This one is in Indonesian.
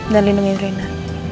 dan lindungin rena